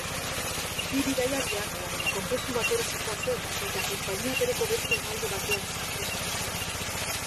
Bi bidaiariak kongresu batera zihoazen eta konpainia bereko beste hegaldi batean sartu zituzten.